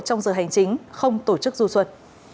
trong giờ hành chính không tổ chức du xuất